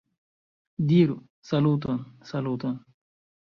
- Diru "Saluton"! - "Saluton"!